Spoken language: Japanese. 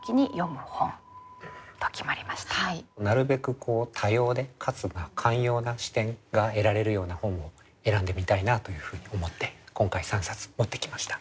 なるべく多様でかつ寛容な視点が得られるような本を選んでみたいなというふうに思って今回３冊持ってきました。